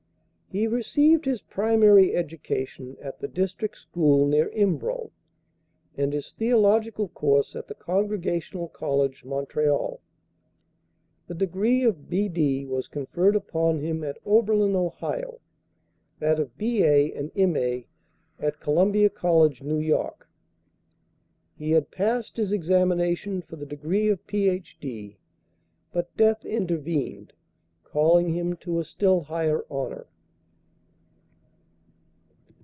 He received his primary education at the district school near Embro, and his theological course at the Congregational College, Montreal. The degree of B.D. was conferred upon him at Oberlin, Ohio; that of B.A. and M.A. at Columbia College, New York. He had passed his examination for the degree of Ph.D., but death intervened, calling him to a still higher honor.